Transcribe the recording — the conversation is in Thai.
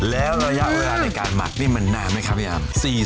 แล้วระยะเวลาในการหมักนี่มันนานไหมครับพี่อาร์ม